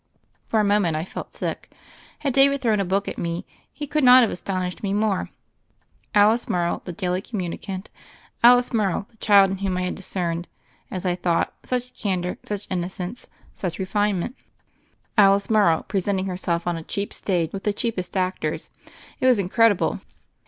For a moment I felt sick. Had David thrown a book at me he could not have aston ished me more. Alice Morrow, the daily com municant, Alice Morrow, the child in whom I had discerned, as I thought, such candor, such innocence, such refinement, Alice Morrow pre senting herself on a cheap stage, with the cheap est actors! It was incredible.